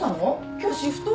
今日シフト？